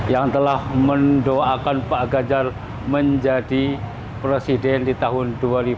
yang telah mendoakan pak ganjar menjadi presiden di tahun dua ribu dua puluh